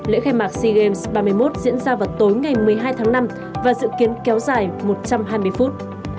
lễ khai mạc sea games ba mươi một diễn ra vào tối ngày một mươi hai tháng năm và dự kiến kéo dài một trăm hai mươi phút